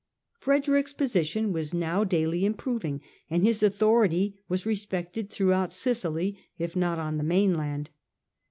Frede rick's position was now daily improving and his authority was respected throughout Sicily, if not on the mainland.